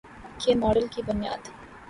کے ماڈل کی بنیاد